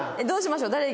どうしましょう？